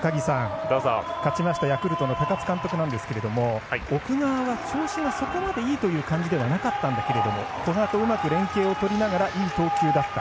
勝ちましたヤクルトの高津監督なんですけれども奥川は調子がそこまでいいという感じではなかったんだけれど古賀とうまく連携とりながらいい投球だった。